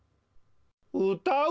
うたう